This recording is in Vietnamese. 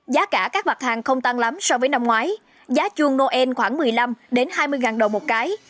giá cả các mặt hàng không tăng lắm so với năm ngoái giá chuông noel khoảng một mươi năm hai mươi đồng một cái